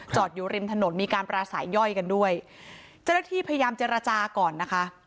อยู่ริมถนนมีการปราศัยย่อยกันด้วยเจ้าหน้าที่พยายามเจรจาก่อนนะคะ